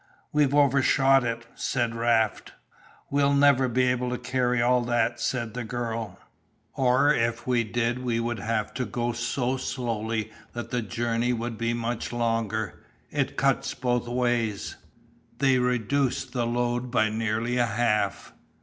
"We've overshot it," said Raft. "We'll never be able to carry all that," said the girl, "or if we did we would have to go so slowly that the journey would be much longer it cuts both ways." They reduced the load by nearly a half.